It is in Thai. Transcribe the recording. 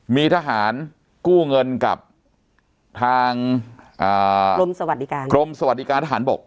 มีทหารกู้เงินกับกรมสวัสดิการทหารบก